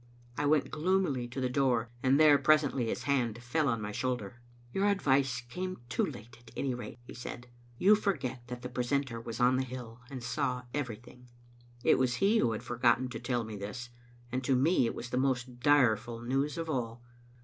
I went gloomily to the door, and there, presently, his hand fell on my shoulder. "Your advice came too late, at any rate," he said. " You forget that the precentor was on the hill and saw everything." It was he who had forgotten to tell me this, and to me it was the most direful news of all.